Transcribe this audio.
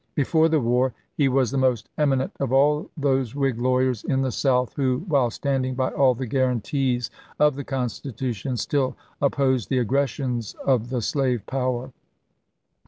Before the war he was the most eminent of all those Whig lawyers in the 344 ABKAHAM LINCOLN chap. xv. South who, while standing by all the guarantees of the Constitution, still opposed the aggressions of the slave power.